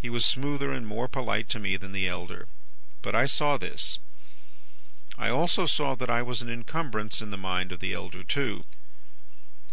He was smoother and more polite to me than the elder; but I saw this. I also saw that I was an incumbrance in the mind of the elder, too.